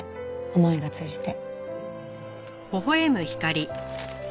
思いが通じて。